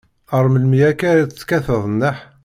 Ar melmi akka ara tekkateḍ nneḥ?